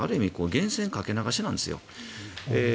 源泉かけ流しなんです。